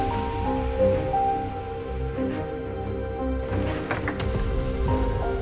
gak mungkin disitu